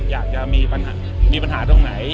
อยากจะมีปัญหาตรงไหน